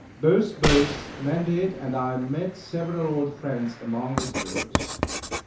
Both boats landed, and I met several old friends among the soldiers.